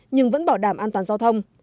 nhưng vẫn bảo đảm an toàn giao thông